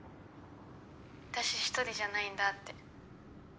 私１人じゃないんだって。